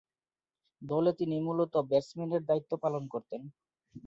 দলে তিনি মূলতঃ ব্যাটসম্যানের দায়িত্ব পালন করতেন।